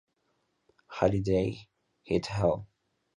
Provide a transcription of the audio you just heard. Halliday "et al.